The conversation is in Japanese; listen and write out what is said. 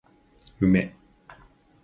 梅